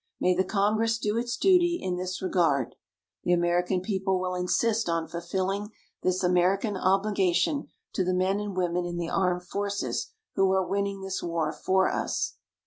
May the Congress do its duty in this regard. The American people will insist on fulfilling this American obligation to the men and women in the armed forces who are winning this war for us.